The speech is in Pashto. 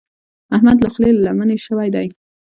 احمد له خولې له لمنې شوی دی.